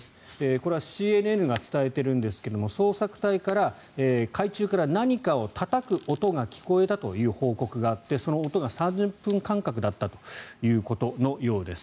これはＣＮＮが伝えているんですが捜索隊から、海中から何かをたたく音が聞こえたという報告があってその音が３０分間隔だったということのようです。